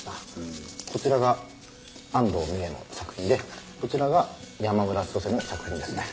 こちらが安藤美絵の作品でこちらが山村千歳の作品ですね。